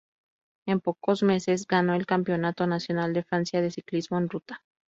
En pocos meses, ganó el Campeonato Nacional de Francia de ciclismo en ruta.